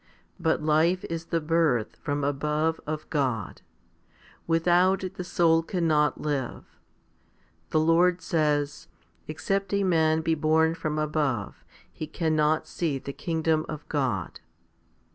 But life is the birth from above of God. Without it the soul cannot live. The Lord says, Except a man be born from above, he cannot see the kingdom of God.